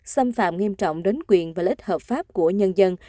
xâm phạm nghiêm trọng đến quyền và lịch hợp pháp của nhân dân